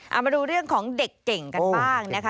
เอามาดูเรื่องของเด็กเก่งกันบ้างนะคะ